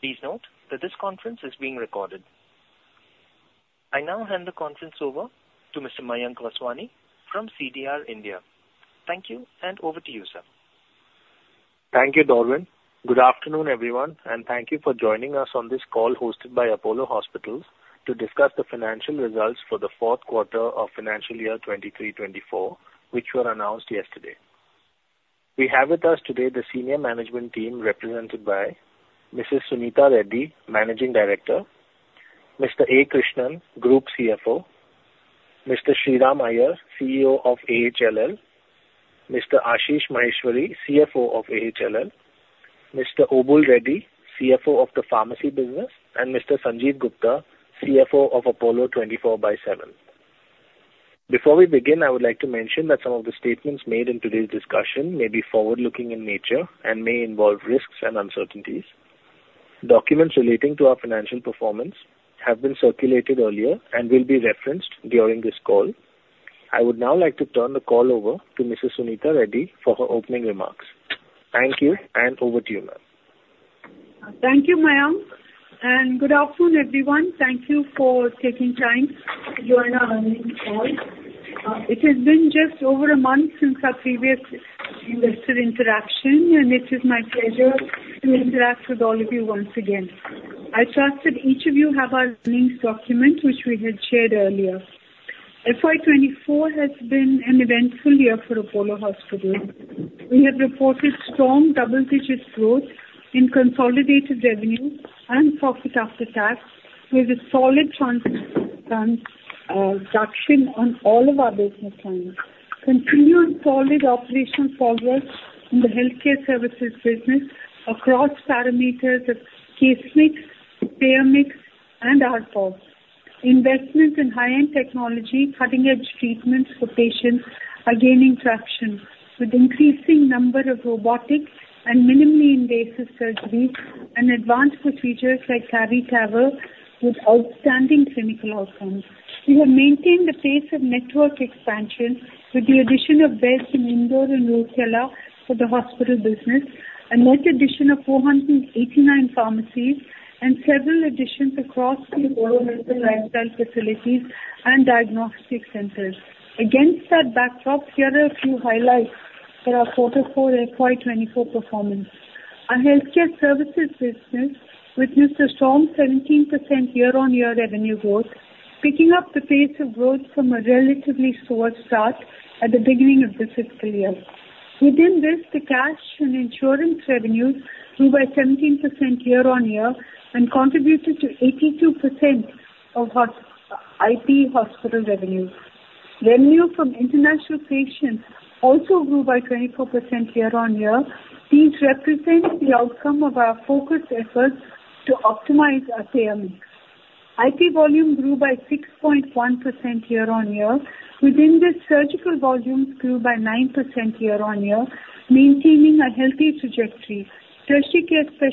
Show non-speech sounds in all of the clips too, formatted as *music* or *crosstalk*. Please note that this conference is being recorded. I now hand the conference over to Mr. Mayank Vaswani from CDR India. Thank you, and over to you, sir. Thank you, Darwin. Good afternoon, everyone, and thank you for joining us on this call hosted by Apollo Hospitals to discuss the financial results for the fourth quarter of financial year 2024, which were announced yesterday. We have with us today the senior management team, represented by Mrs. Suneeta Reddy, Managing Director, Mr. A. Krishnan, Group CFO, Mr. Sriram Iyer, CEO of AHLL, Mr. Ashish Maheshwari, CFO of AHLL, Mr. Obul Reddy, CFO of the Pharmacy business, and Mr. Sanjiv Gupta, CFO of Apollo 24/7. Before we begin, I would like to mention that some of the statements made in today's discussion may be forward-looking in nature and may involve risks and uncertainties. Documents relating to our financial performance have been circulated earlier and will be referenced during this call. I would now like to turn the call over to Mrs. Suneeta Reddy for her opening remarks. Thank you, and over to you, ma'am. Thank you, Mayank, and good afternoon, everyone. Thank you for taking time to join our earnings call. It has been just over a month since our previous investor interaction, and it is my pleasure to interact with all of you once again. I trust that each of you have our earnings document, which we had shared earlier. FY 2024 has been an eventful year for Apollo Hospitals. We have reported strong double-digit growth in consolidated revenue and profit after tax, with a solid traction on all of our business lines. Continued solid operational progress in the healthcare services business across parameters of case mix, payer mix, and ARPOBs. Investments in high-end technology, cutting-edge treatments for patients are gaining traction, with increasing number of robotics and minimally invasive surgeries and advanced procedures like cardiovascular care, with outstanding clinical outcomes. We have maintained the pace of network expansion with the addition of beds in Indore and Rourkela for the hospital business, a net addition of 489 pharmacies, and several additions across the Apollo Health and Lifestyle facilities and diagnostic centers. Against that backdrop, here are a few highlights for our quarter four and FY 2024 performance. Our healthcare services business witnessed a strong 17% year-on-year revenue growth, picking up the pace of growth from a relatively slower start at the beginning of the fiscal year. Within this, the cash and insurance revenues grew by 17% year-on-year and contributed to 82% of hospital, IP hospital revenue. Revenue from international patients also grew by 24% year-on-year. These represent the outcome of our focused efforts to optimize our payer mix. IP volume grew by 6.1% year-on-year. Within this, surgical volumes grew by 9% year-on-year, maintaining a healthy trajectory. Tertiary care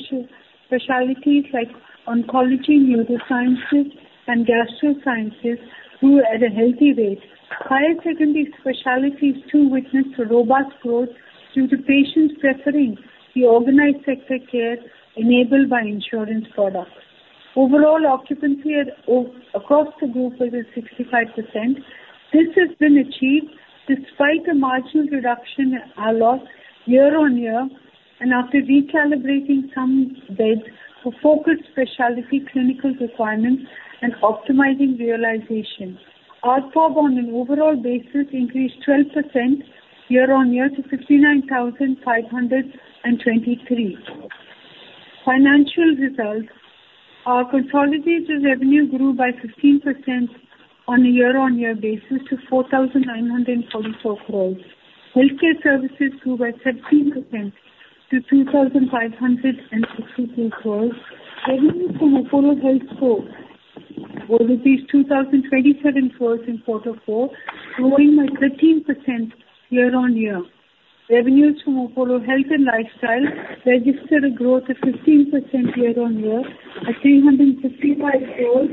specialties like oncology, neurosciences, and gastro sciences grew at a healthy rate. Higher secondary specialties too witnessed a robust growth due to patients preferring the organized sector care enabled by insurance products. Overall occupancy across the group was at 65%. This has been achieved despite a marginal reduction in ALOS year-on-year and after recalibrating some beds for focused specialty clinical requirements and optimizing realization. ARPOB on an overall basis increased 12% year-on-year to 59,523. Financial results. Our consolidated revenue grew by 15% on a year-on-year basis to 4,944 crore. Healthcare services grew by 13% to 2,562 crore. Revenues from Apollo HealthCo over these 2,027 crore in quarter four, growing by 13% year-on-year. Revenues from Apollo Health and Lifestyle registered a growth of 15% year-on-year at INR 355 crore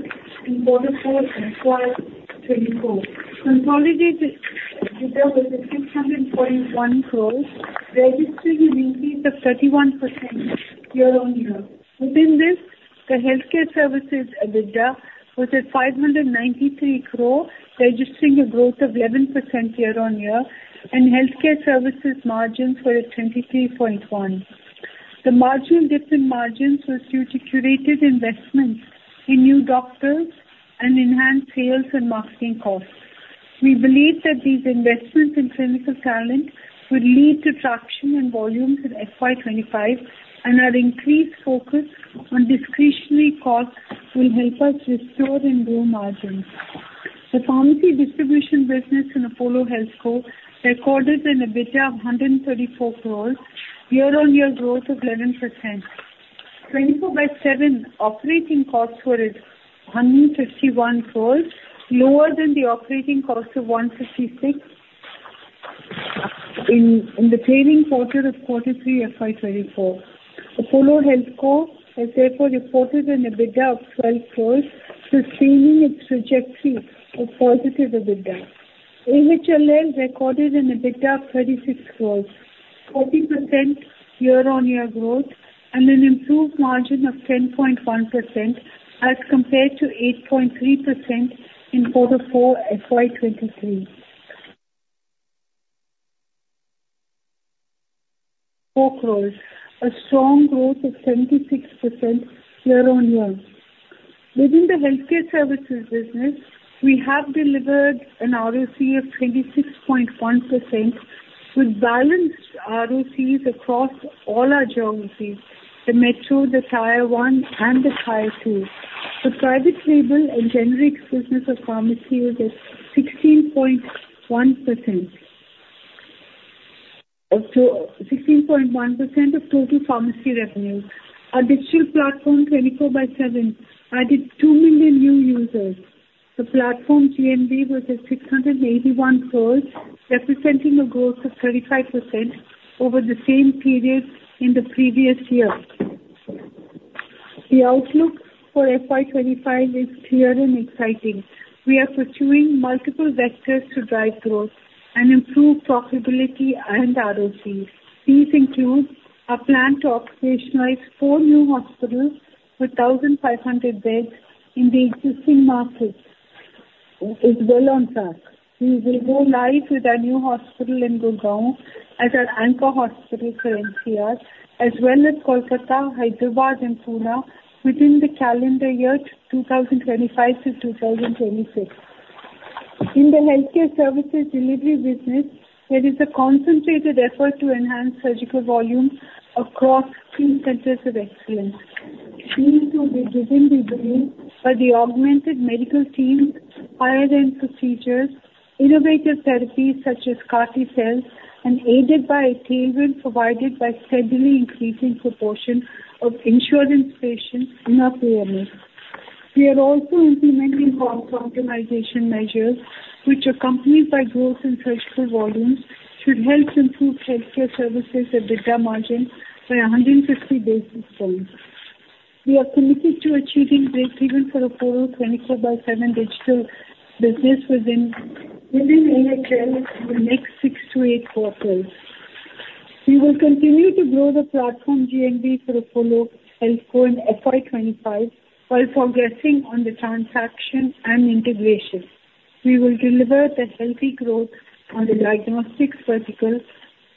in quarter four, FY 2024. Consolidated EBITDA was at 641 crore, registering an increase of 31% year-on-year. Within this, the healthcare services EBITDA was at 593 crore, registering a growth of 11% year-on-year, and healthcare services margins were at 23.1%. The marginal dip in margins was due to curated investments in new doctors and enhanced sales and marketing costs. We believe that these investments in clinical talent will lead to traction and volumes in FY 2025, and our increased focus on discretionary costs will help us restore and grow margins. The pharmacy distribution business in Apollo HealthCo recorded an EBITDA of 134 crore, year-on-year growth of 11%. Apollo 24/7 operating costs were at 151 crore, lower than the operating costs of 156 crore in the previous quarter of quarter three, FY 2024. Apollo HealthCo has therefore reported an EBITDA of 12 crore, sustaining its trajectory of positive EBITDA. AHLL recorded an EBITDA of 36 crore, 40% year-on-year growth, and an improved margin of 10.1% as compared to 8.3% in quarter four FY 2023. *audio distortion* 4 crore, a strong growth of 76% year-on-year. Within the healthcare services business, we have delivered an ROC of 26.1%, with balanced ROCs across all our geographies, the Metro, the Tier 1, and the Tier 2. The private label and generics business of Apollo Pharmacy was at 16.1%. Also, 16.1% of total Apollo Pharmacy revenue. Our digital platform, Apollo 24/7, added 2 million new users. The platform GMV was at 681 crore, representing a growth of 35% over the same period in the previous year. The outlook for FY 2025 is clear and exciting. We are pursuing multiple vectors to drive growth and improve profitability and ROC. These include a plan to operationalize 4 new hospitals with 1,500 beds in the existing markets. It is well on track. We will go live with our new hospital in Gurugram as our anchor hospital for NCR, as well as Kolkata, Hyderabad, and Pune, within the calendar year 2025-2026. In the healthcare services delivery business, there is a concentrated effort to enhance surgical volume across key centers of excellence. These will be driven by the augmented medical teams, higher-end procedures, innovative therapies such as CAR-T cells, and aided by payment provided by steadily increasing proportion of insurance patients in our payer mix. We are also implementing cost optimization measures, which, accompanied by growth in surgical volumes, should help improve healthcare services EBITDA margin by 150 basis points. We are committed to achieving breakeven for Apollo 24/7 digital business within AHLL in the next six to eight quarters. We will continue to grow the platform GMV for Apollo HealthCo in FY 2025 while progressing on the transaction and integration. We will deliver the healthy growth on the diagnostics vertical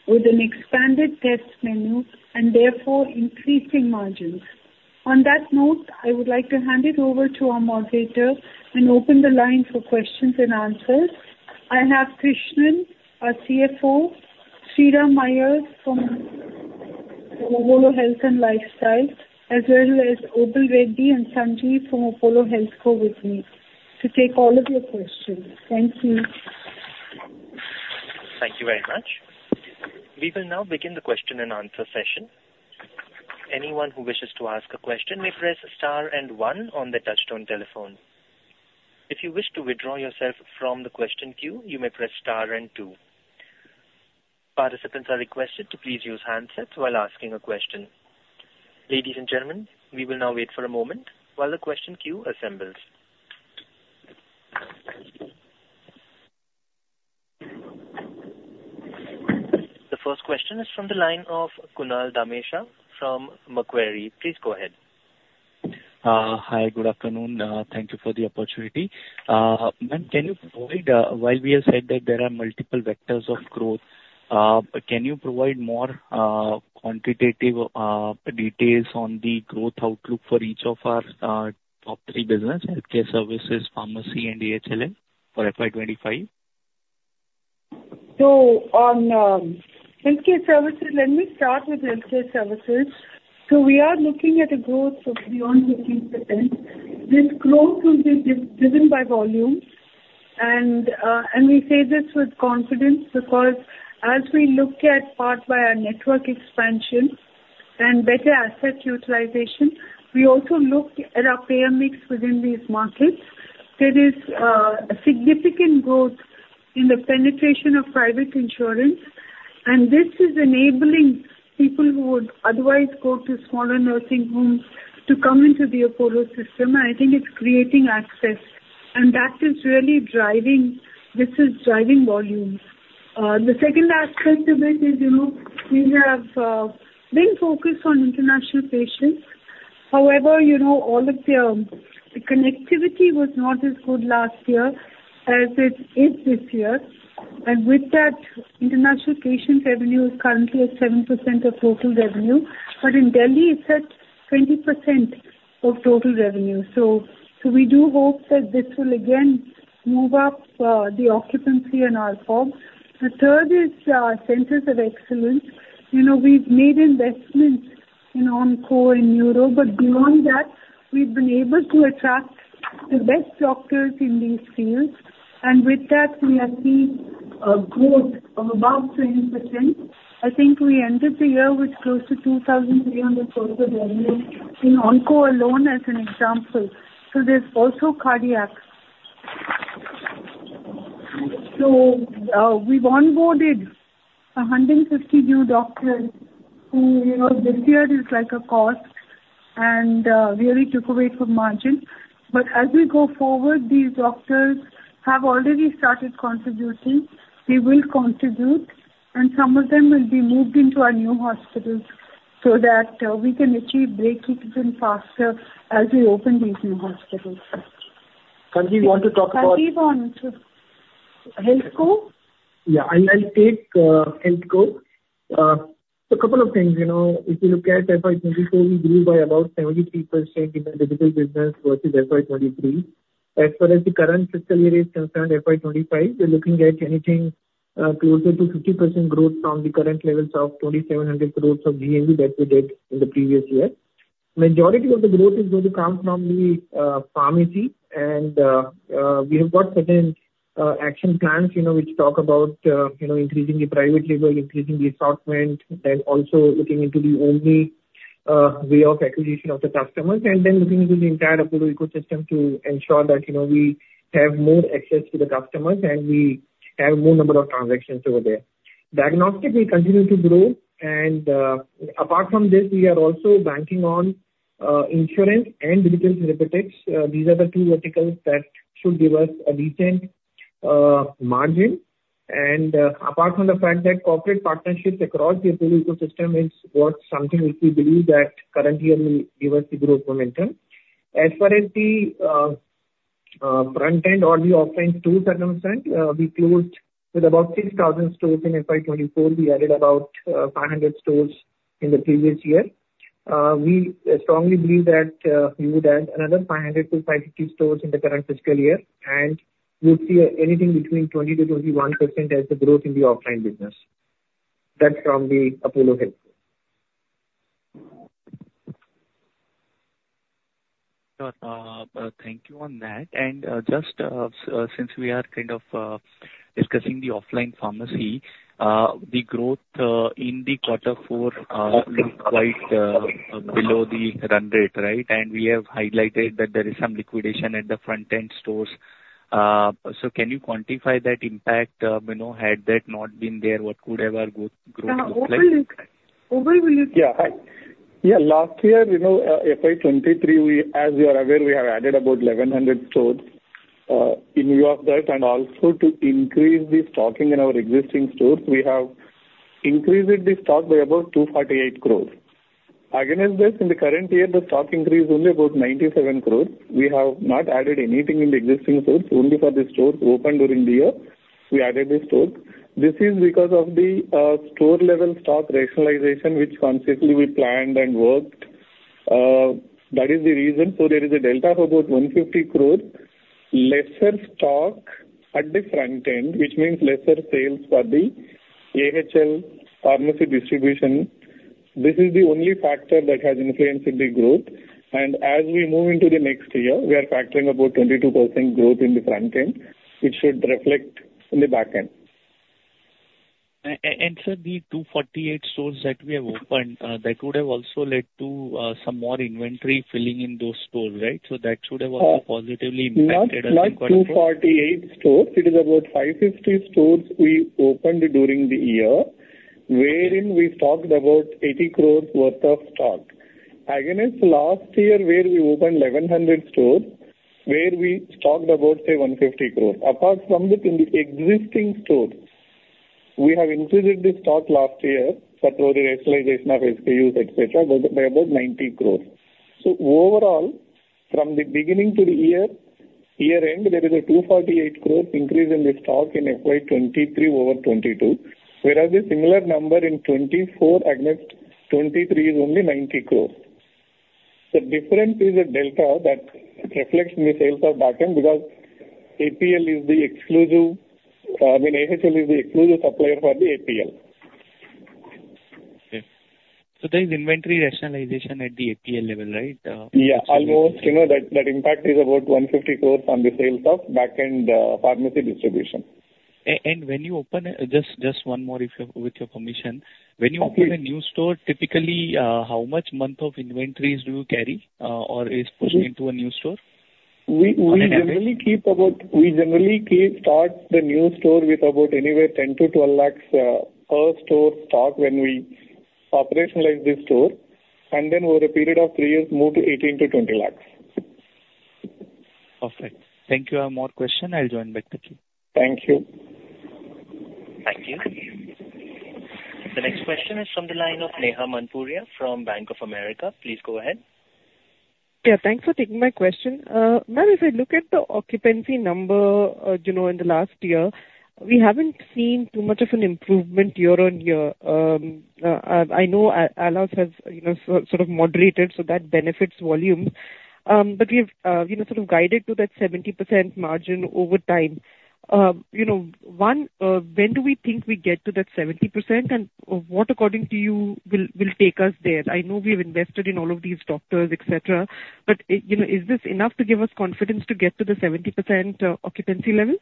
with an expanded test menu and therefore increasing margins. On that note, I would like to hand it over to our moderator and open the line for questions and answers. I have Krishnan, our CFO, Sriram Iyer from Apollo Health and Lifestyle, as well as Obul Reddy and Sanjiv from Apollo HealthCo with me to take all of your questions. Thank you. Thank you very much. We will now begin the question-and-answer session. Anyone who wishes to ask a question may press star and one on their touchtone telephone. If you wish to withdraw yourself from the question queue, you may press star and two. Participants are requested to please use handsets while asking a question. Ladies and gentlemen, we will now wait for a moment while the question queue assembles. The first question is from the line of Kunal Dhamesha from Macquarie. Please go ahead. Hi, good afternoon. Thank you for the opportunity. Ma'am, can you provide—while we have said that there are multiple vectors of growth—more quantitative details on the growth outlook for each of our top three business, healthcare services, pharmacy, and AHLL for FY 2025? So, on healthcare services, let me start with healthcare services. So we are looking at a growth of beyond 15%. This growth will be driven by volume. And, and we say this with confidence, because as we look at partly by our network expansion and better asset utilization, we also look at our payer mix within these markets. There is, a significant growth in the penetration of private insurance, and this is enabling people who would otherwise go to smaller nursing homes to come into the Apollo system. I think it's creating access, and that is really driving, this is driving volumes. The second aspect of it is, you know, we have, been focused on international patients. However, you know, all of the, the connectivity was not as good last year as it is this year. With that, international patient revenue is currently at 7% of total revenue, but in Delhi, it's at 20% of total revenue. So we do hope that this will again move up the occupancy in our firm. The third is centers of excellence. You know, we've made investments in oncology and neurology, but beyond that, we've been able to attract the best doctors in these fields, and with that, we have seen a growth of about 20%. I think we ended the year with close to 2,300 crore of revenue in oncology alone, as an example. So there's also cardiac. So we've onboarded 150 new doctors who, you know, this year is like a cost and really took away from margin. But as we go forward, these doctors have already started contributing. They will contribute, and some of them will be moved into our new hospitals so that we can achieve break-even faster as we open these new hospitals. Can we want to talk about- Sanjiv want to, HealthCo? Yeah, I'll take HealthCo. So a couple of things, you know, if you look at FY 2024, we grew by about 73% in the digital business versus FY 2023. As far as the current fiscal year is concerned, FY 2025, we're looking at anything closer to 50% growth from the current levels of 2,700 crore of GMV that we did in the previous year. Majority of the growth is going to come from the pharmacy, and we have got certain action plans, you know, which talk about you know, increasing the private label, increasing the assortment, and then also looking into the only way of acquisition of the customers. And then looking into the entire Apollo ecosystem to ensure that, you know, we have more access to the customers, and we have more number of transactions over there. Diagnostics will continue to grow, and, apart from this, we are also banking on, insurance and digital therapeutics. These are the two verticals that should give us a decent margin. And, apart from the fact that corporate partnerships across the Apollo ecosystem is what something which we believe that currently will give us the growth momentum. As far as the front end or the offline store circumstance, we closed with about 6,000 stores in FY 2024. We added about 500 stores in the previous year. We strongly believe that we would add another 500-550 stores in the current fiscal year, and we'll see anything between 20%-21% as the growth in the offline business. That's from the Apollo Health. Sure. Thank you on that. And just since we are kind of discussing the offline pharmacy, the growth in the quarter four looked quite below the run rate, right? And we have highlighted that there is some liquidation at the front-end stores. So can you quantify that impact? You know, had that not been there, what could have our growth looked like? Overall look, overall look- Yeah. Hi. Yeah, last year, you know, FY 2023, we, as you are aware, we have added about 1,100 stores. In view of that and also to increase the stocking in our existing stores, we have increased the stock by about 248 crore. Against this, in the current year, the stock increased only about 97 crore. We have not added anything in the existing stores. Only for the stores opened during the year, we added the stores. This is because of the store level stock rationalization, which consciously we planned and worked. That is the reason. So there is a delta of about 150 crore, lesser stock at the front end, which means lesser sales for the AHLL pharmacy distribution. This is the only factor that has influenced the growth. As we move into the next year, we are factoring about 22% growth in the front end, which should reflect in the back end. And sir, the 248 stores that we have opened, that would have also led to, some more inventory filling in those stores, right? So that should have also positively impacted- Not, not 248 stores. It is about 550 stores we opened during the year, wherein we stocked about 80 crore worth of stock. Against last year, where we opened 1,100 stores, where we stocked about, say, 150 crore. Apart from this, in the existing stores, we have increased the stock last year for the rationalization of SKUs, et cetera, by about 90 crore. So overall, from the beginning to the year, year-end, there is a 248 crore increase in the stock in FY 2023 over 2022. Whereas the similar number in 2024 against 2023 is only 90 crore. The difference is a delta that reflects in the sales of backend because APL is the exclusive, I mean, AHLL is the exclusive supplier for the APL. Okay. So there is inventory rationalization at the APL level, right? Yeah, almost. You know, that, that impact is about 150 crore on the sales of backend, pharmacy distribution. And when you open a... Just, just one more, if with your permission. Okay. When you open a new store, typically, how much month of inventories do you carry, or is pushed into a new store, on an average? We generally keep stock the new store with about anywhere 10-12 lakhs per store stock when we operationalize this store, and then over a period of three years, move to 18-20 lakhs. Perfect. Thank you. I have more question. I'll join back with you. Thank you. Thank you. The next question is from the line of Neha Manpuria from Bank of America. Please go ahead. Yeah, thanks for taking my question. Ma'am, if I look at the occupancy number, you know, in the last year, we haven't seen too much of an improvement year-on-year. I know ALOS has, you know, sort of, sort of moderated, so that benefits volume. But we have, you know, sort of guided to that 70% margin over time. You know, one, when do we think we get to that 70%? And what, according to you, will take us there? I know we've invested in all of these doctors, et cetera, but, you know, is this enough to give us confidence to get to the 70% occupancy level?...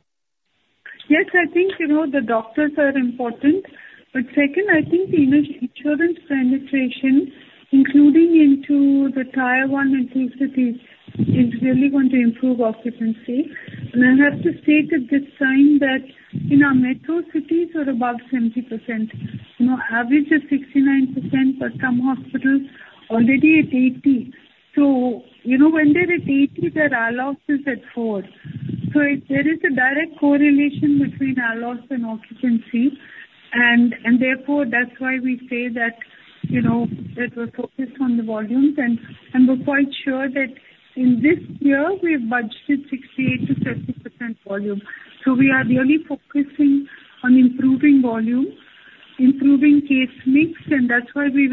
Yes, I think, you know, the doctors are important. But second, I think the health insurance penetration, including into the Tier 1 and 2 cities, is really going to improve occupancy. And I have to state at this time that in our metro cities, we're above 70%. You know, average is 69%, but some hospitals already at 80%. So, you know, when they're at 80%, their ALOS is at 4. So there is a direct correlation between ALOS and occupancy, and therefore, that's why we say that, you know, that we're focused on the volumes. And we're quite sure that in this year we have budgeted 68%-70% volume. So we are really focusing on improving volume, improving case mix, and that's why we've,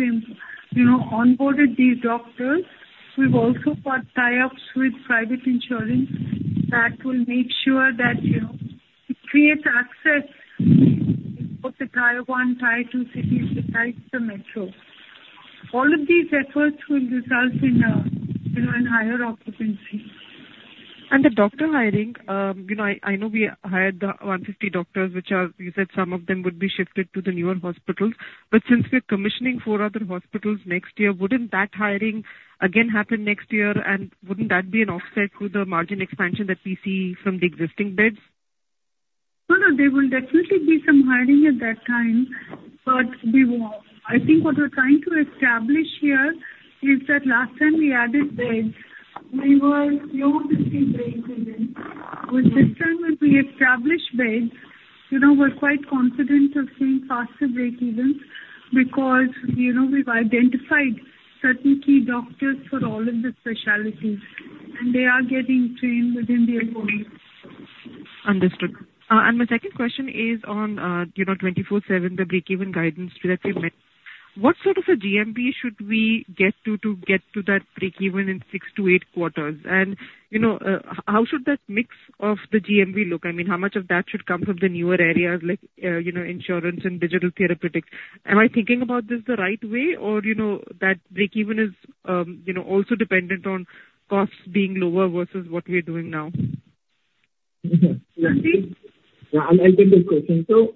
you know, onboarded these doctors. We've also got tie-ups with private insurance that will make sure that, you know, it creates access for the Tier 1, Tier 2 cities besides the Metro. All of these efforts will result in, you know, in higher occupancy. The doctor hiring, you know, I know we hired the 150 doctors, which are, you said some of them would be shifted to the newer hospitals. But since we're commissioning four other hospitals next year, wouldn't that hiring again happen next year? And wouldn't that be an offset to the margin expansion that we see from the existing beds? No, no, there will definitely be some hiring at that time, but we will... I think what we're trying to establish here is that last time we added beds, we were slow to see breakeven. But this time, when we establish beds, you know, we're quite confident of seeing faster breakeven because, you know, we've identified certain key doctors for all of the specialties, and they are getting trained within their roles. Understood. My second question is on, you know, Apollo 24/7, the breakeven guidance that you met. What sort of a GMV should we get to, to get to that breakeven in six to eight quarters? You know, how should that mix of the GMV look? I mean, how much of that should come from the newer areas like, you know, insurance and digital therapeutics? Am I thinking about this the right way, or you know, that breakeven is, you know, also dependent on costs being lower versus what we are doing now? Mm-hmm. Yeah, I'll, I'll take the question. So,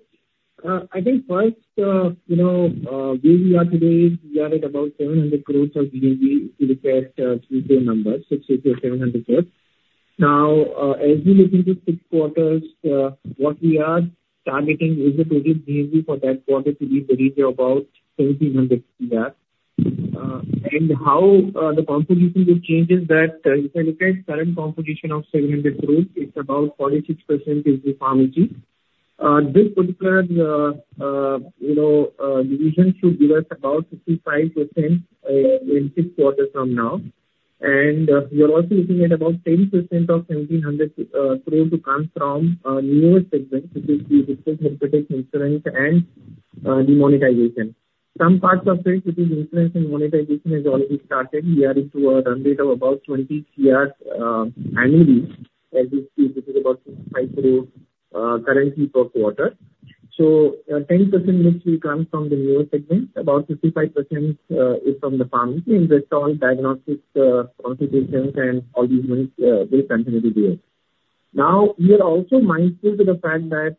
I think first, you know, where we are today is we are at about 700 crore of GMV. If you look at Q2 numbers, 600 crore-700 crore. Now, as we look into six quarters, what we are targeting is the total GMV for that quarter to be the range of about 1,700 crore. And how the contribution will change is that, if you look at current composition of INR 700 crore, it's about 46% is Apollo Pharmacy. This particular, you know, division should give us about 55%, in six quarters from now. And, we are also looking at about 10% of 1,700 crore to come from newer segments, which is the digital therapeutics, insurance, and the monetization. Some parts of this, which is insurance and monetization, has already started. We are into a run rate of about 20 crore annually, that is, which is about 65 crore currently per quarter. So, 10% mostly comes from the newer segment. About 55% is from the pharmacy, and the rest all diagnostics contributions and all these things will continue to be there. Now, we are also mindful to the fact that,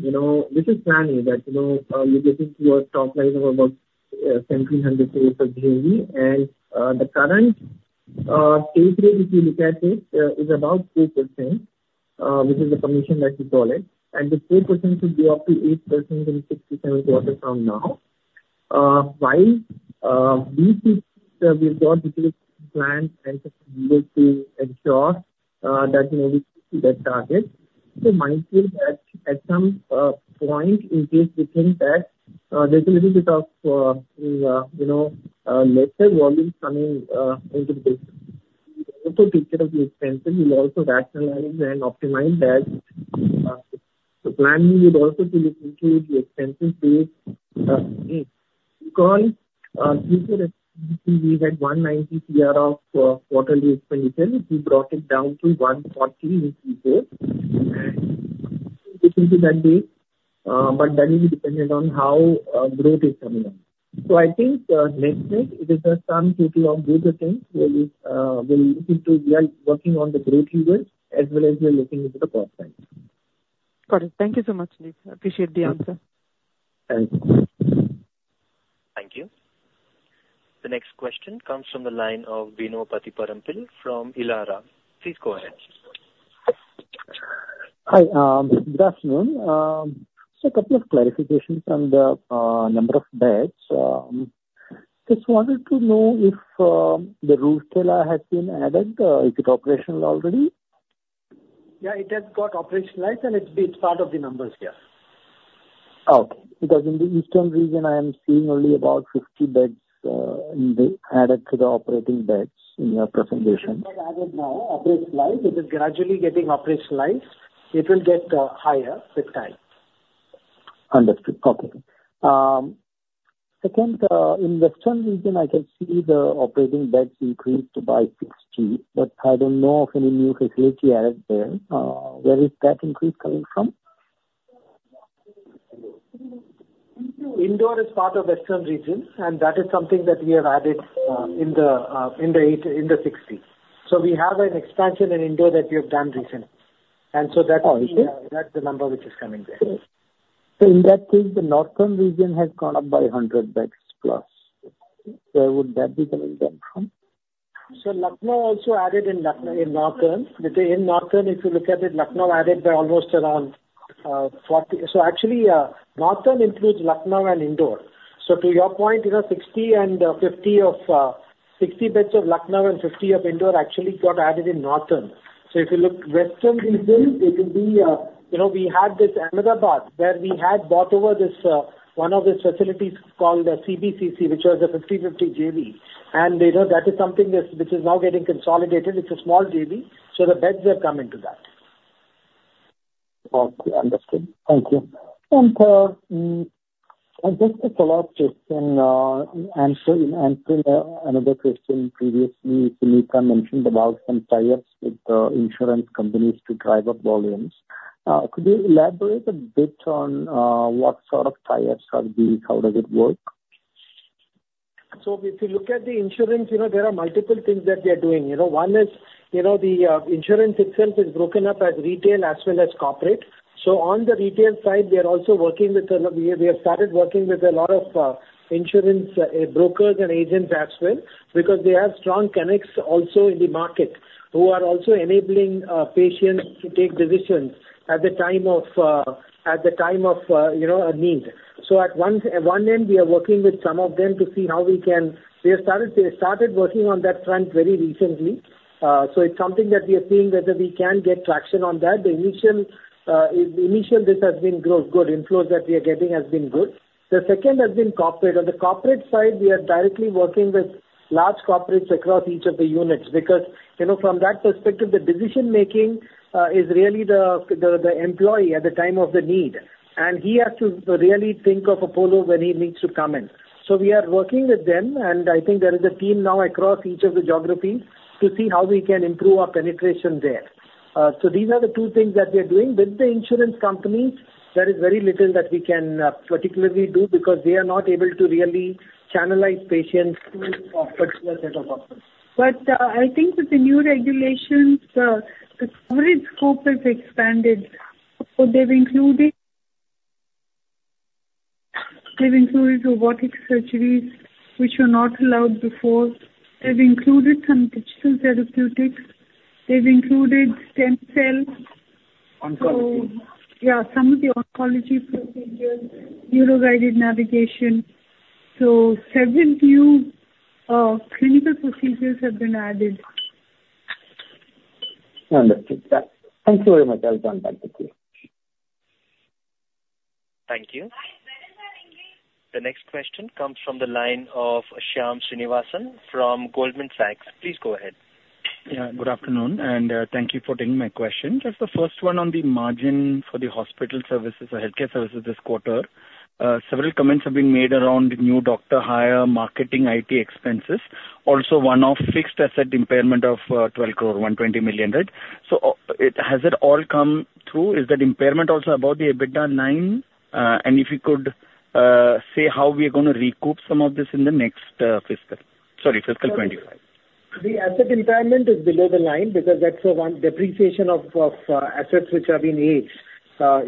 you know, this is planning that, you know, you're getting to a top line of about INR 1,700 crore of GMV. And, the current take rate, if you look at it, is about 4%, which is the commission that we call it, and the 4% should be up to 8% in six to seven quarters from now. While these things, we have got plans and to ensure that, you know, we see that target. So mindful that at some point, in case we think that there's a little bit of, you know, lesser volume coming into the picture. We also take care of the expenses. We'll also rationalize and optimize that. The planning would also look into the expenses base, because we said we had 190 crore of quarterly expenditure. We brought it down to 140 crore in Q4. But that will be dependent on how growth is coming up. So I think next week it is a sum total of both the things really, we're looking to. We are working on the growth levels as well as we are looking into the cost side. Got it. Thank you so much. I appreciate the answer. Thank you. Thank you. The next question comes from the line of Bino Pathiparampil from Elara. Please go ahead. Hi, good afternoon. So a couple of clarifications on the number of beds. Just wanted to know if the Rourkela has been added, is it operational already? Yeah, it has got operationalized, and it's part of the numbers here. Okay. Because in the eastern region, I am seeing only about 50 beds in the added to the operating beds in your presentation. It is added now, operationalized. It is gradually getting operationalized. It will get higher with time. Understood. Okay. Second, in western region, I can see the operating beds increased by 60, but I don't know of any new facility added there. Where is that increase coming from? ...Indore is part of Western region, and that is something that we have added in the 60. So we have an expansion in Indore that we have done recently. And so that- Okay. That's the number which is coming there. So in that case, the northern region has gone up by 100+ beds. Where would that be coming from? So Lucknow also added in Lucknow in northern. In northern, if you look at it, Lucknow added by almost around 40. So actually, northern includes Lucknow and Indore. So to your point, you know, 60 and 50 of 60 beds of Lucknow and 50 of Indore actually got added in northern. So if you look western region, it will be, you know, we had this Ahmedabad, where we had bought over this one of these facilities called CBCC, which was a 50/50 JV. And, you know, that is something that's which is now getting consolidated. It's a small JV, so the beds have come into that. Okay, understood. Thank you. And just a follow-up question, in answering another question previously, Suneeta mentioned about some tie-ups with insurance companies to drive up volumes. Could you elaborate a bit on what sort of tie-ups are these? How does it work? So if you look at the insurance, you know, there are multiple things that we are doing. You know, one is, you know, the insurance itself is broken up as retail as well as corporate. So on the retail side, we are also working with, we have started working with a lot of insurance brokers and agents as well, because they have strong connects also in the market, who are also enabling patients to take decisions at the time of need. So at one end, we are working with some of them to see how we can. We have started working on that front very recently. So it's something that we are seeing whether we can get traction on that. The initial inflows that we are getting has been good. The second has been corporate. On the corporate side, we are directly working with large corporates across each of the units, because, you know, from that perspective, the decision-making is really the employee at the time of the need. And he has to really think of Apollo when he needs to come in. So we are working with them, and I think there is a team now across each of the geographies to see how we can improve our penetration there. So these are the two things that we are doing. With the insurance companies, there is very little that we can particularly do, because they are not able to really channelize patients to a particular set of doctors. I think with the new regulations, the coverage scope has expanded. So they've included robotic surgeries, which were not allowed before. They've included some digital therapeutics. They've included stem cells. Oncology. So, yeah, some of the oncology procedures, neuro-guided navigation. So several new clinical procedures have been added. Understood. Thank you very much. I'll come back to you. Thank you. The next question comes from the line of Shyam Srinivasan from Goldman Sachs. Please go ahead. Yeah, good afternoon, and thank you for taking my question. Just the first one on the margin for the hospital services or healthcare services this quarter. Several comments have been made around new doctor hire, marketing, IT expenses, also one-off fixed asset impairment of 12 crore, 120 million, right? So, has it all come through? Is that impairment also above the EBITDA line? And if you could say how we are gonna recoup some of this in the next fiscal. Sorry, fiscal year 2025. The asset impairment is below the line, because that's for one, depreciation of assets which are being aged.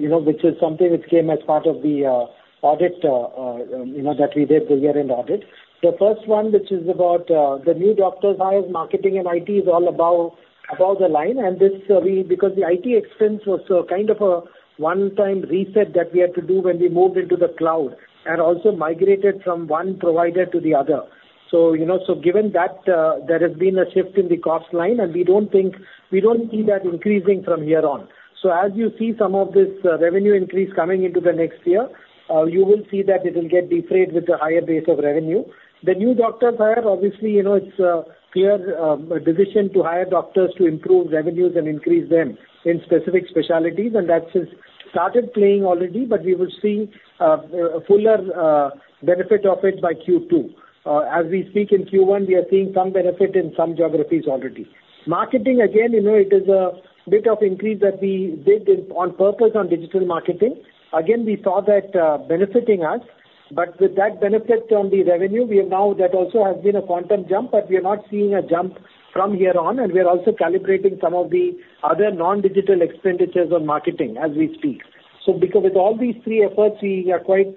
You know, which is something which came as part of the audit, you know, that we did, the year-end audit. The first one, which is about the new doctors hire, marketing and IT, is all above the line. And this, because the IT expense was kind of a one-time reset that we had to do when we moved into the cloud and also migrated from one provider to the other. So, you know, so given that, there has been a shift in the cost line, and we don't see that increasing from here on. So as you see some of this, revenue increase coming into the next year, you will see that it will get defrayed with a higher base of revenue. The new doctors hire, obviously, you know, it's a clear decision to hire doctors to improve revenues and increase them in specific specialties, and that has started playing already, but we will see fuller benefit of it by Q2. As we speak in Q1, we are seeing some benefit in some geographies already. Marketing, again, you know, it is a bit of increase that we did, on purpose on digital marketing. Again, we saw that, benefiting us, but with that benefit on the revenue, we are now, that also has been a quantum jump, but we are not seeing a jump from here on, and we are also calibrating some of the other non-digital expenditures on marketing as we speak. So because with all these three efforts, we are quite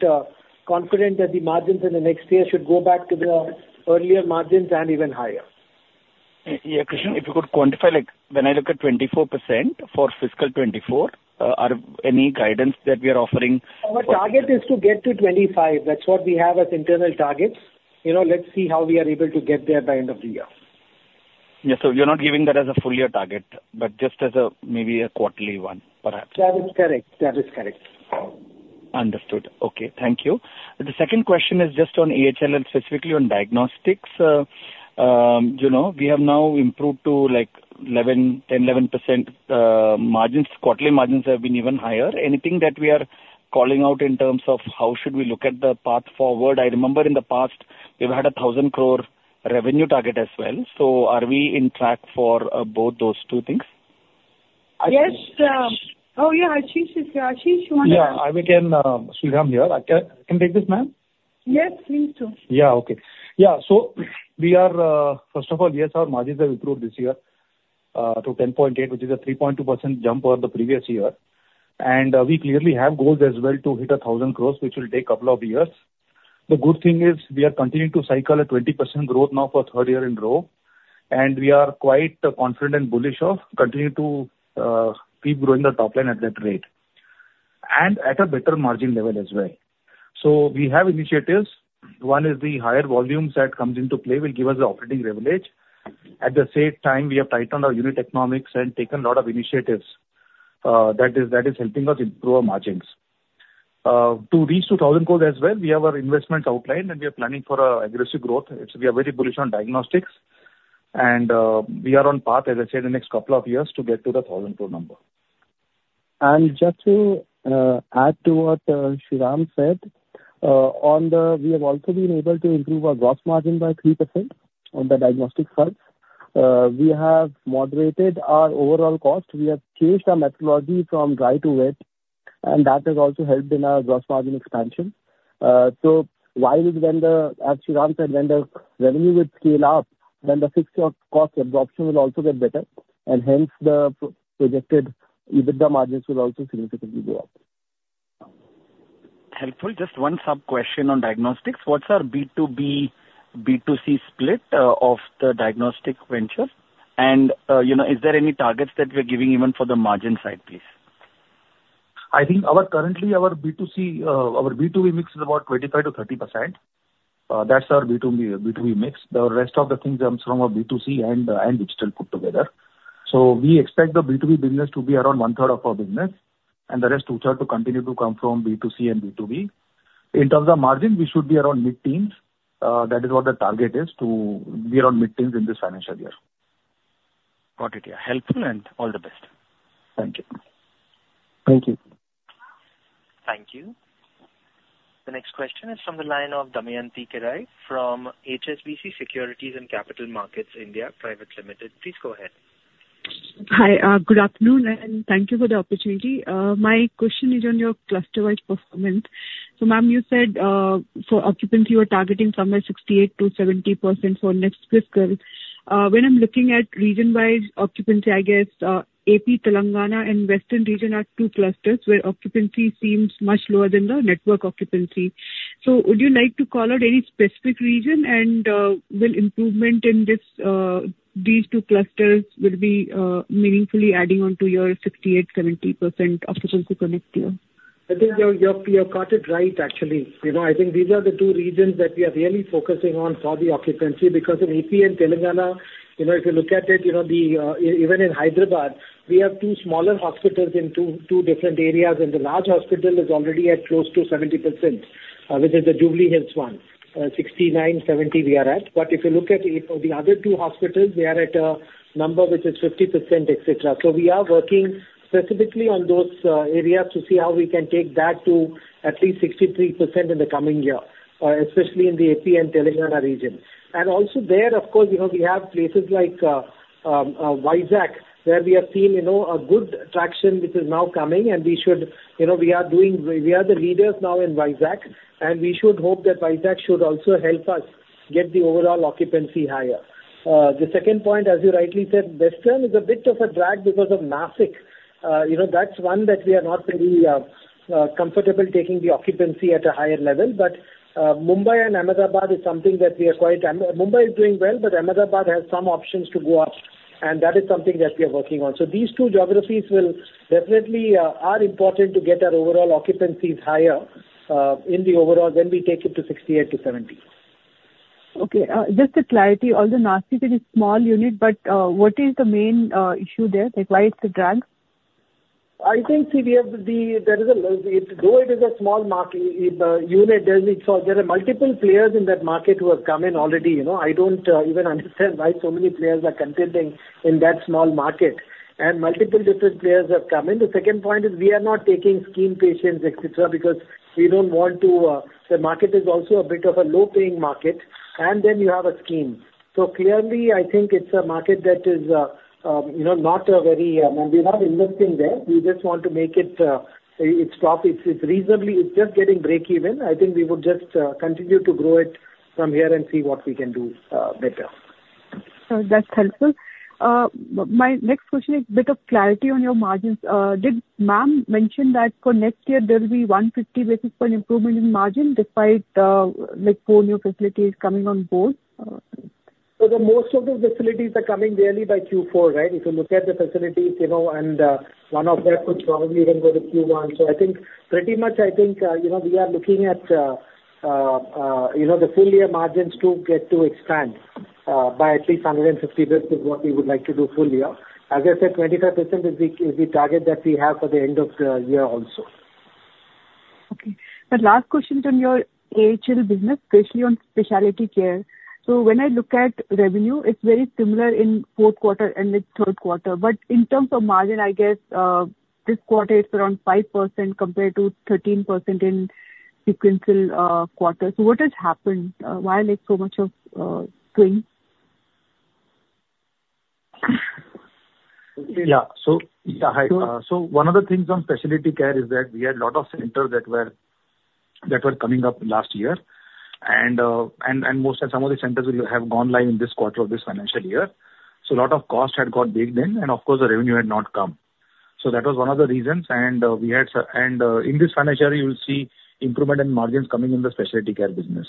confident that the margins in the next year should go back to the earlier margins and even higher. Yeah, Krishnan, if you could quantify, like, when I look at 24% for fiscal year 2024, are any guidance that we are offering? Our target is to get to 25%. That's what we have as internal targets. You know, let's see how we are able to get there by end of the year. Yeah, so you're not giving that as a full year target, but just as a maybe quarterly one, perhaps? That is correct. That is correct. Understood. Okay, thank you. The second question is just on AHLL and specifically on diagnostics. You know, we have now improved to, like, 11%, 10%, 11% margins. Quarterly margins have been even higher. Anything that we are calling out in terms of how should we look at the path forward? I remember in the past, we've had 1,000 crore revenue target as well. So are we on track for both those two things? Yes, Oh, yeah, Ashish is here. Ashish, you wanna- Yeah, I will begin, Sriram here. I can take this, ma'am? Yes, please do. Yeah. Okay. Yeah, so we are, first of all, yes, our margins have improved this year to 10.8%, which is a 3.2% jump over the previous year. And, we clearly have goals as well to hit 1,000 crore, which will take a couple of years. The good thing is we are continuing to cycle at 20% growth now for third year in row, and we are quite confident and bullish of continuing to keep growing the top line at that rate, and at a better margin level as well. So we have initiatives. One is the higher volumes that comes into play will give us the operating leverage. At the same time, we have tightened our unit economics and taken a lot of initiatives, that is helping us improve our margins. To reach 1,000 crore as well, we have our investments outlined, and we are planning for a aggressive growth. It's we are very bullish on diagnostics and, we are on path, as I said, the next couple of years to get to the 1,000 crore number. Just to add to what Sriram said, on the... *audio distortion* We have also been able to improve our gross margin by 3% on the diagnostics front. We have moderated our overall cost. We have changed our methodology from dry to wet, and that has also helped in our gross margin expansion. So, while, as Sriram said, when the revenue will scale up, then the fixed cost absorption will also get better, and hence, the projected EBITDA margins will also significantly go up. Helpful. Just one sub-question on diagnostics. What's our B2B, B2C split of the diagnostic venture? And, you know, is there any targets that we are giving even for the margin side, please? I think our, currently, our B2C, our B2B mix is about 25%-30%. That's our B2B, B2B mix. The rest of the things comes from our B2C and, and digital put together. So we expect the B2B business to be around 1/3 of our business, and the rest 2/3 to continue to come from B2C and B2B. In terms of margin, we should be around mid-teens. That is what the target is, to be around mid-teens in this financial year. Got it. Yeah. Helpful, and all the best. Thank you. Thank you. Thank you. The next question is from the line of Damayanti Kerai from HSBC Securities and Capital Markets India Private Limited. Please go ahead. Hi, good afternoon, and thank you for the opportunity. My question is on your cluster-wide performance. So, ma'am, you said, for occupancy, you are targeting somewhere 68%-70% for next fiscal year. When I'm looking at region-wide occupancy, I guess, AP, Telangana, and western region are two clusters where occupancy seems much lower than the network occupancy. So would you like to call out any specific region? And, will improvement in this, these two clusters will be, meaningfully adding on to your 68%-70% occupancy connect here? I think you, you have, you have got it right, actually. You know, I think these are the two regions that we are really focusing on for the occupancy, because in AP and Telangana, you know, if you look at it, you know, the even in Hyderabad, we have two smaller hospitals in two, two different areas, and the large hospital is already at close to 70%, which is the Jubilee Hills one. 69%, 70%, we are at. But if you look at the other two hospitals, we are at a number which is 50%, et cetera. So we are working specifically on those areas to see how we can take that to at least 63% in the coming year, especially in the AP and Telangana region. And also there, of course, you know, we have places like Vizag, where we have seen, you know, a good traction, which is now coming, and we should... You know, we are the leaders now in Vizag, and we should hope that Vizag should also help us get the overall occupancy higher. The second point, as you rightly said, western is a bit of a drag because of Nashik. You know, that's one that we are not very comfortable taking the occupancy at a higher level, but Mumbai and Ahmedabad is something that we are quite... Mumbai is doing well, but Ahmedabad has some options to go out, and that is something that we are working on. So these two geographies will definitely are important to get our overall occupancies higher, in the overall when we take it to 68%-70%. Okay, just a clarity, although Nashik is a small unit, but, what is the main issue there? Like, why it's a drag? I think, see, we have the. There is a, though it is a small market unit, there are multiple players in that market who have come in already, you know? I don't even understand why so many players are contending in that small market, and multiple different players have come in. The second point is we are not taking scheme patients, et cetera, because we don't want to, the market is also a bit of a low-paying market, and then you have a scheme. So clearly, I think it's a market that is, you know, not a very. We are not investing there. We just want to make it, it's profit. It's, it's reasonably, it's just getting break even. I think we would just continue to grow it from here and see what we can do better. That's helpful. My next question is bit of clarity on your margins. Did Ma'am mention that for next year there will be 150 basis point improvement in margin despite, like, four new facilities coming on board? So the most of the facilities are coming really by Q4, right? If you look at the facilities, you know, and one of them could probably even go to Q1. So I think, pretty much, I think, you know, we are looking at the full year margins to get to expand by at least 150 basis, what we would like to do full year. As I said, 25% is the, is the target that we have for the end of the year also.... Okay. The last question is on your AHLL business, especially on specialty care. So when I look at revenue, it's very similar in fourth quarter and the third quarter. But in terms of margin, I guess, this quarter is around 5% compared to 13% in sequential quarter. So what has happened? Why, like, so much of swing? Yeah. So, yeah, hi. So one of the things on specialty care is that we had a lot of centers that were coming up last year, and most of some of the centers will have gone live in this quarter of this financial year. So a lot of cost had got baked in, and of course, the revenue had not come. So that was one of the reasons. And in this financial year, you will see improvement in margins coming in the specialty care business.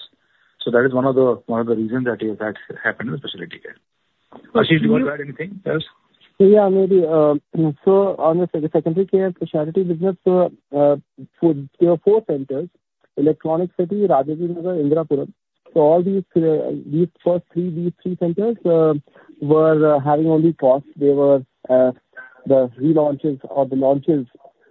So that is one of the, one of the reasons that is, that happened in the specialty care. Ashish, do you want to add anything else? Yeah, maybe. So on the secondary care specialty business, there are four centers: Electronic City, Rajajinagar, Indirapuram. So all these, these first three, these three centers, were having only costs. They were, the relaunches or the launches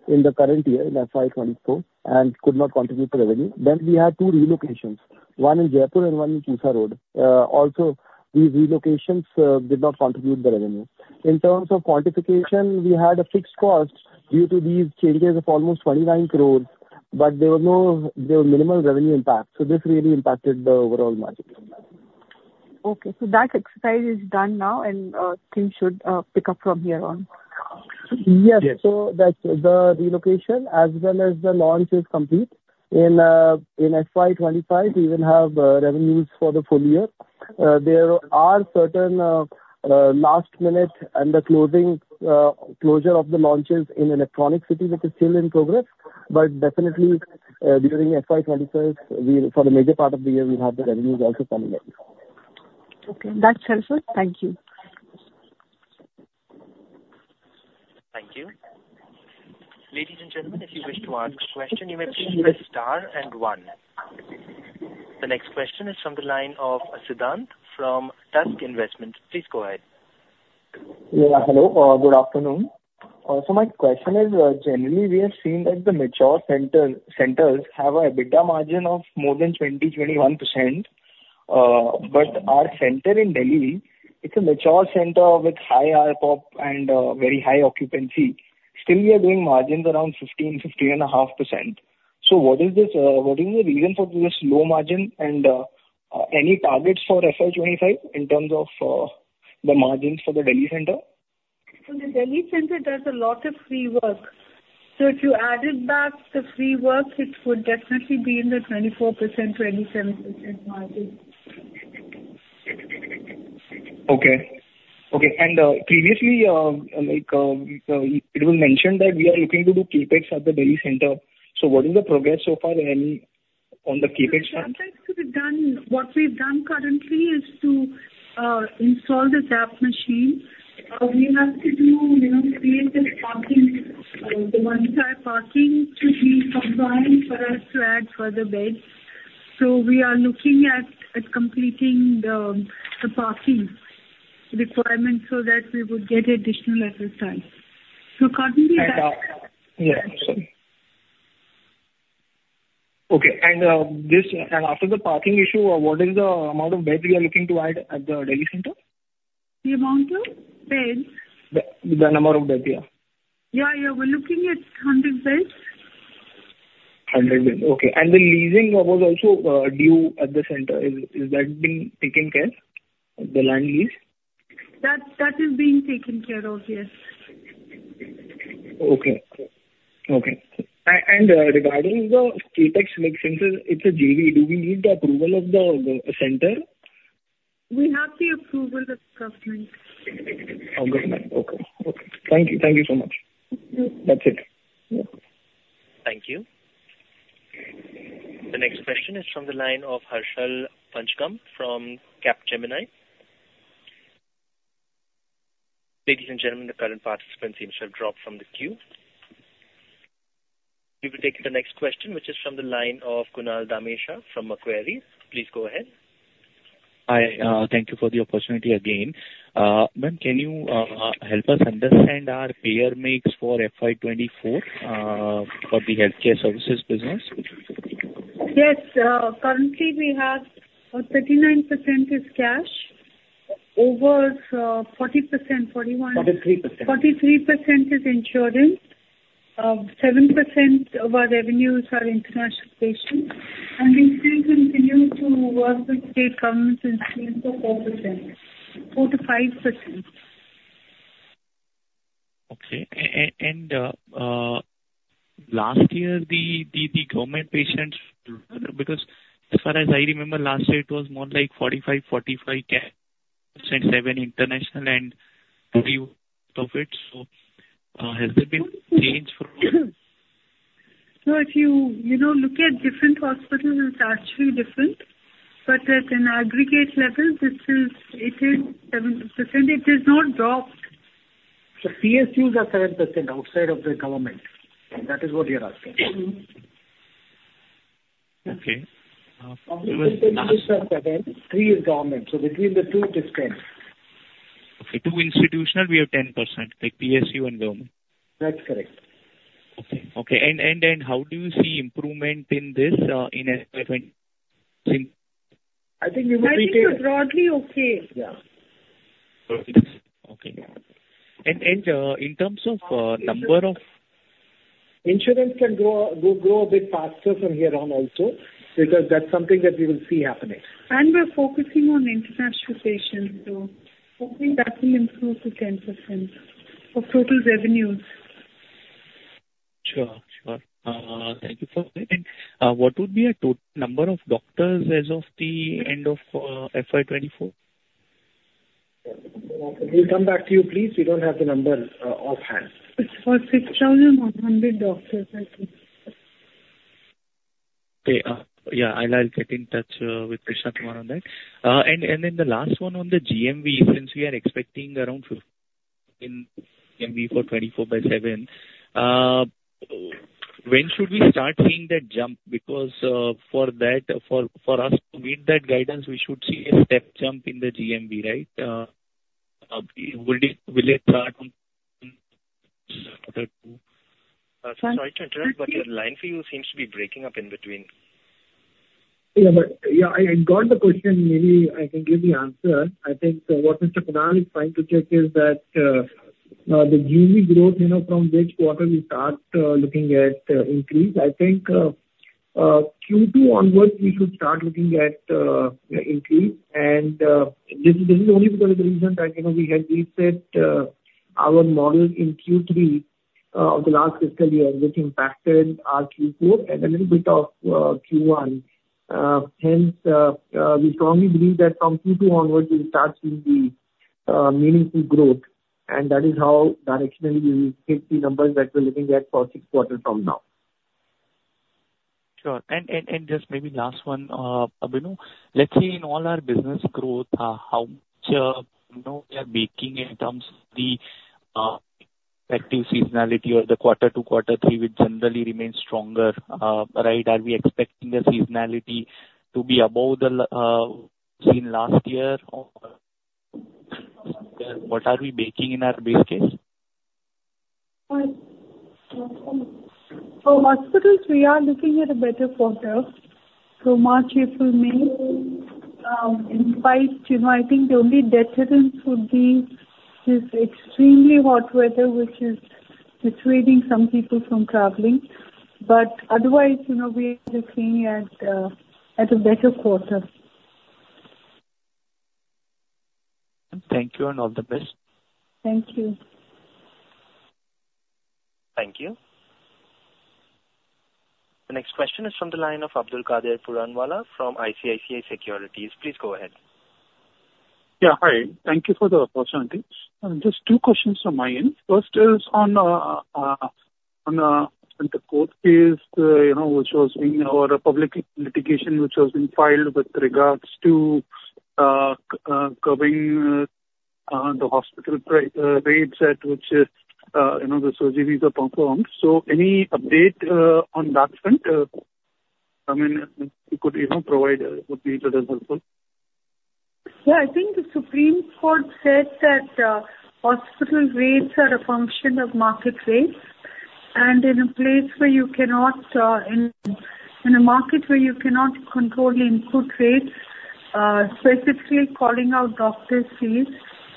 in the current year, in FY 2024, and could not contribute to revenue. Then we had two relocations, one in Jaipur and one in Pusa Road. Also, these relocations, did not contribute the revenue. In terms of quantification, we had a fixed cost due to these changes of almost 29 crore, but there were minimal revenue impact. So this really impacted the overall margin. Okay. So that exercise is done now, and things should pick up from here on. Yes. Yes. So that's the relocation as well as the launch is complete. In FY 2025, we will have revenues for the full year. There are certain last minute and the closing closure of the launches in Electronic City, which is still in progress. But definitely, during FY 2025, we for the major part of the year, we'll have the revenues also coming back. Okay. That's helpful. Thank you. Thank you. Ladies and gentlemen, if you wish to ask question, you may please press star and one. The next question is from the line of Siddhant from Tusk Investments. Please go ahead. Yeah, hello. Good afternoon. So my question is, generally, we have seen that the mature center, centers have an EBITDA margin of more than 20%-21%. But our center in Delhi, it's a mature center with high ARPOB and very high occupancy. Still, we are doing margins around 15%-15.5%. So what is this, what is the reason for this low margin, and any targets for FY 2025 in terms of the margins for the Delhi center? The Delhi center does a lot of free work. If you added back the free work, it would definitely be in the 24%-27% margin. Okay. Okay, and, previously, like, it was mentioned that we are looking to do CapEx at the Delhi center. So what is the progress so far and on the CapEx front? CapEx to be done, what we've done currently is to install the ZAP machine. We have to do, you know, create this parking, the one side parking to be combined for us to add further beds. So we are looking at completing the parking requirement so that we would get additional FSI. So currently that- Yeah, sorry. Okay, and after the parking issue, what is the amount of beds we are looking to add at the Delhi center? The amount of beds? The number of beds, yeah. Yeah, yeah, we're looking at 100 beds. 100 beds, okay. The leasing was also due at the center. Is that being taken care, the land lease? That is being taken care of, yes. Okay. Okay. And, regarding the CapEx, like, since it's a JV, do we need the approval of the center? We have the approval of the government. Of government, okay. Okay. Thank you. Thank you so much. Mm-hmm. That's it. Yeah. Thank you. The next question is from the line of Harshal Pangcham from Capgemini. Ladies and gentlemen, the current participant seems to have dropped from the queue. We will take the next question, which is from the line of Kunal Dhamesha from Macquarie. Please go ahead. Hi, thank you for the opportunity again. Ma'am, can you help us understand our payer mix for FY 2024, for the healthcare services business? Yes. Currently, we have 39% is cash, over 40%, 41%- 43%. 43% is insurance, 7% of our revenues are international patients, and we still continue to work with state governments and see so 4%, 4%-5%. Okay. Last year, the government patients, because as far as I remember, last year, it was more like 45%, 45% cash, 7% international and 3% profit. So, has there been change for...? No, if you, you know, look at different hospitals, it's actually different, but at an aggregate level, this is, it is 7%. It is not dropped. PSUs are 7% outside of the government, and that is what we are asking. Mm-hmm. Okay. Uh- 7%, 3% is government, so between the two, it is 10%. ... To institutional, we have 10%, like PSU and government. That's correct. Okay, okay. And how do you see improvement in this, in FY 20- I think you would be- I think broadly okay. Yeah. Okay. And in terms of number of- Insurance can grow a bit faster from here on also, because that's something that we will see happening. We're focusing on international patients, so hoping that will improve to 10% of total revenues. Sure, sure. Thank you for that. What would be a total number of doctors as of the end of FY 2024? We'll come back to you, please. We don't have the number, offhand. It's for 6,100 doctors, I think. Okay, yeah, I'll get in touch with Krishnan on that. And then the last one on the GMV, since we are expecting around in GMV for Apollo 24/7, when should we start seeing that jump? Because, for that, for us to meet that guidance, we should see a step jump in the GMV, right? Will it start on... Sorry to interrupt, but your line for you seems to be breaking up in between. Yeah, but yeah, I got the question. Maybe I can give the answer. I think what Mr. Kunal is trying to check is that the GMV growth, you know, from which quarter we start looking at increase. I think Q2 onwards, we should start looking at increase. And this is only because of the reason that, you know, we had reset our model in Q3 of the last fiscal year, which impacted our Q4 and a little bit of Q1. Hence, we strongly believe that from Q2 onwards, we'll start seeing the meaningful growth, and that is how directionally we will hit the numbers that we're looking at for six quarter from now. Sure. And just maybe last one, Abinu. Let's say in all our business growth, how much, you know, we are baking in terms of the effective seasonality or the quarter to quarter three, which generally remains stronger, right? Are we expecting the seasonality to be above the level seen last year, or what are we baking in our base case? For hospitals, we are looking at a better quarter. So March, April, May, in spite, you know, I think the only deterrent would be this extremely hot weather, which is dissuading some people from traveling. But otherwise, you know, we are looking at a better quarter. Thank you, and all the best. Thank you. Thank you. The next question is from the line of Abdulkader Puranwala from ICICI Securities. Please go ahead. Yeah, hi. Thank you for the opportunity. Just two questions from my end. First is on the court case, you know, which was in our public litigation, which was being filed with regards to covering the hospital rates at which, you know, the surgeries are performed. So any update on that front? I mean, you could, you know, provide would be to us helpful. Yeah, I think the Supreme Court said that, hospital rates are a function of market rates. And in a place where you cannot, in a market where you cannot control input rates, specifically calling out doctor fees,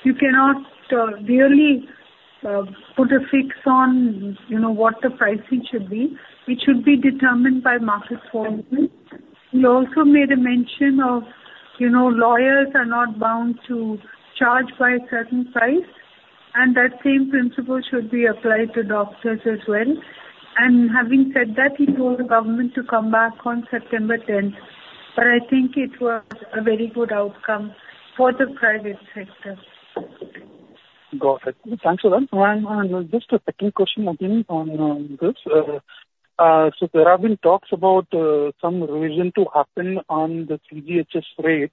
you cannot really put a fix on, you know, what the pricing should be. It should be determined by market forces. He also made a mention of, you know, lawyers are not bound to charge by a certain price, and that same principle should be applied to doctors as well. And having said that, he told the government to come back on September 10th, but I think it was a very good outcome for the private sector. Got it. Thanks for that. And just a second question again on this. So there have been talks about some revision to happen on the CGHS rate.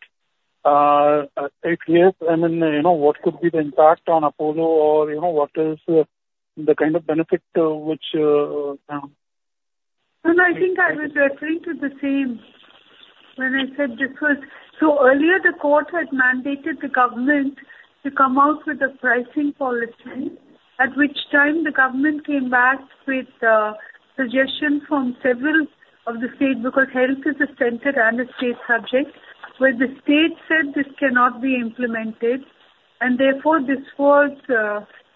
If yes, I mean, you know, what could be the impact on Apollo? Or, you know, what is the kind of benefit, which No, I think I was referring to the same when I said this was... So earlier, the court had mandated the government to come out with a pricing policy. At which time, the government came back with suggestions from several of the states, because health is a center and a state subject, where the state said this cannot be implemented. And therefore, this was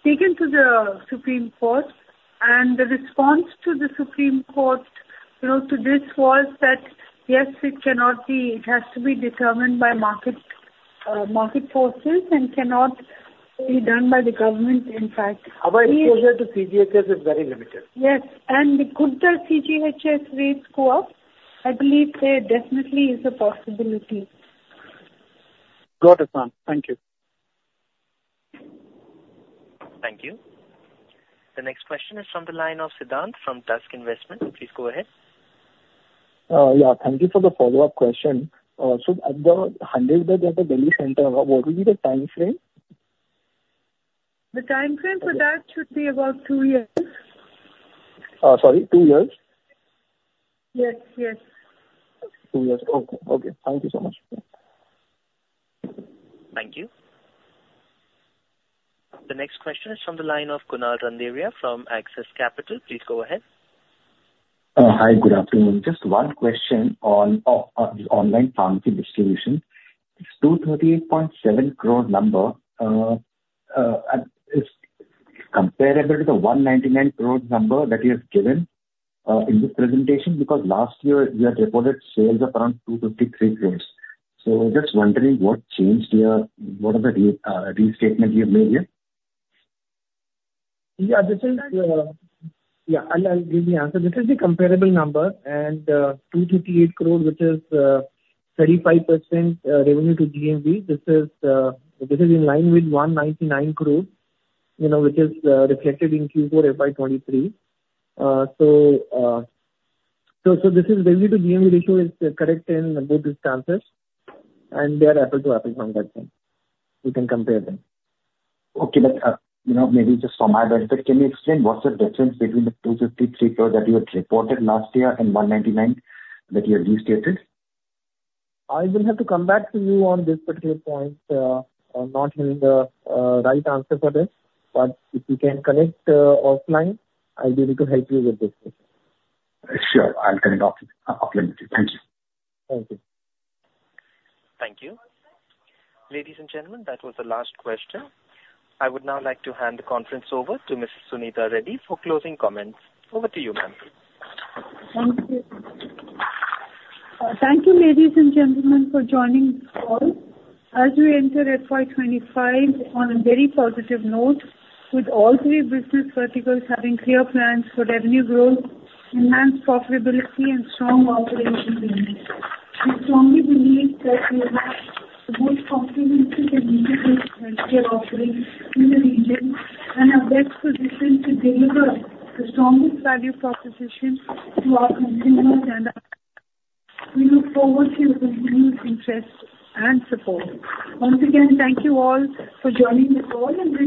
taken to the Supreme Court. And the response to the Supreme Court, you know, to this was that, yes, it cannot be. It has to be determined by market forces and cannot be done by the government, in fact. Our exposure to CGHS is very limited. Yes, and could the CGHS rates go up? I believe there definitely is a possibility. Got it, ma'am. Thank you. Thank you. The next question is from the line of Siddhant from Tusk Investments. Please go ahead. Yeah, thank you for the follow-up question. So at the 100-bed at the Delhi center, what will be the timeframe? The timeframe for that should be about two years. Sorry, two years?... Yes, yes. Yes. Okay, okay. Thank you so much. Thank you. The next question is from the line of Kunal Randeria from Axis Capital. Please go ahead. Hi, good afternoon. Just one question on online pharmacy distribution. It's 230.7 crore number, and it's comparable to the 199 crore number that you have given in this presentation, because last year you had reported sales of around 253 crore. So just wondering what changed here, what are the restatement you have made here? Yeah, this is, yeah, I'll give the answer. This is the comparable number, and 258 crore, which is 35% revenue to GMV. This is in line with 199 crore, you know, which is reflected in Q4 FY 2023. So this is revenue to GMV ratio is correct in both instances, and they are apples-to-apples comparison. You can compare them. Okay. But, you know, maybe just from my benefit, can you explain what's the difference between the 253 crore that you had reported last year and 199 crore that you have restated? I will have to come back to you on this particular point. I'm not having the right answer for this, but if you can connect offline, I'll be able to help you with this question. Sure, I'll connect offline with you. Thank you. Thank you. Thank you. Ladies and gentlemen, that was the last question. I would now like to hand the conference over to Ms. Suneeta Reddy for closing comments. Over to you, ma'am. Thank you. Thank you, ladies and gentlemen, for joining this call. As we enter FY 2025 on a very positive note, with all three business verticals having clear plans for revenue growth, enhanced profitability, and strong operation teams, we strongly believe that we have the most comprehensive and integrated healthcare offering in the region, and are best positioned to deliver the strongest value proposition to our consumers and. *audio distortion* We look forward to your continued interest and support. Once again, thank you all for joining this call, and we-